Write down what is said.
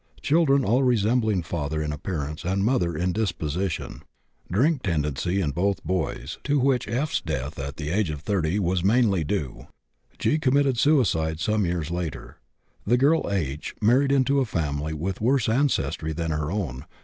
Children all resembling father in appearance and mother in disposition. Drink tendency in both boys, to which F.'s death at the age of 30 was mainly due. G. committed suicide some years later. The girl H. married into a family with worse ancestry than her own.